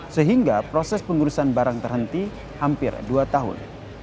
sehingga proses pengurusan barang terhenti hampir dua tahun